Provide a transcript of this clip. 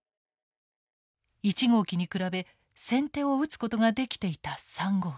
１号機に比べ先手を打つことができていた３号機。